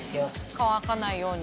乾かないように。